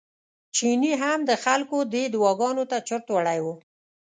چيني هم د خلکو دې دعاګانو ته چورت وړی و.